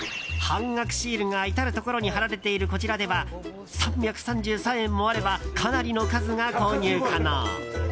半額シールが至るところに貼られている、こちらでは３３３円もあればかなりの数が購入可能。